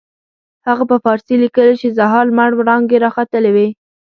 هغه په فارسي لیکلي چې د سهار لمر وړانګې را ختلې وې.